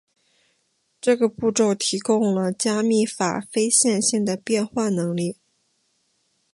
这个步骤提供了加密法非线性的变换能力。